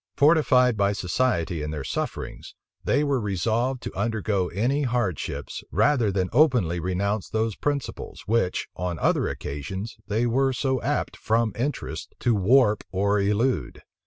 Fortified by society in their sufferings, they were resolved to undergo any hardships, rather than openly renounce those principles, which, on other occasions, they were so apt, from interest, to warp or elude.